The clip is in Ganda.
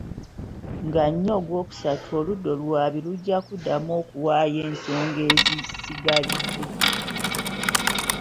Nga nnya ogwookusatu oludda oluwaabi lujja kuddamu okuwaayo ensonga ezisigalidde.